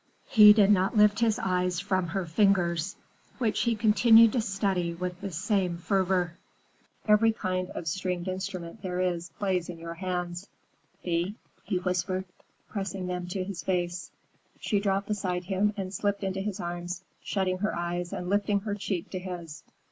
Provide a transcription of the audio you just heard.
He did not lift his eyes from her fingers, which he continued to study with the same fervor. "Every kind of stringed instrument there is plays in your hands, Thea," he whispered, pressing them to his face. She dropped beside him and slipped into his arms, shutting her eyes and lifting her cheek to his.